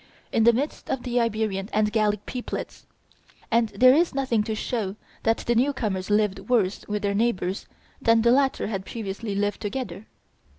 C., in the midst of the Iberian and Gallic peoplets; and there is nothing to show that the new comers lived worse with their neighbors than the latter had previously lived together.